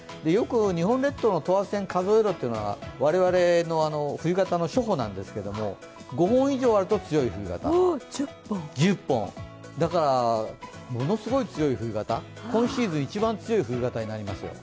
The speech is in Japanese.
よく日本列島の等圧線を数えろというのは我々の冬型の初歩なんですけど５本以上あると強い冬型、１０本だから、ものすごい強い冬型、今シーズン一番強い冬型になります。